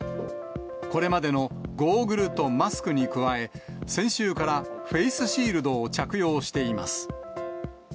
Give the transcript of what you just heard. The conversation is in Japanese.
これまでのゴーグルとマスクに加え、先週からフェイスシールドを着用しています。